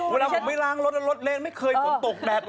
เวลาผมไม่ล้างรถรถเล่นไม่เคยฝนตกแดดร้อนเตรียงหัวแทบ